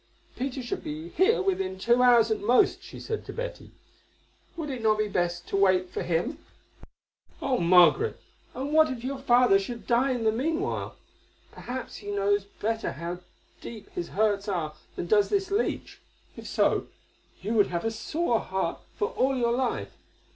"Peter should be here within two hours at most," she said to Betty. "Would it not be best to wait for him?" "Oh! Margaret, and what if your father should die in the meanwhile? Perhaps he knows better how deep his hurts are than does this leech. If so, you would have a sore heart for all your life.